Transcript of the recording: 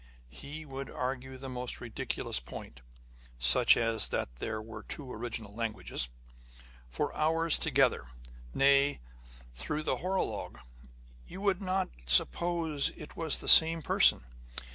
He would argue the most ridiculous point (such as that there were two original languages) for hours together, nay, through the horologe. You would not suppose it was the same person.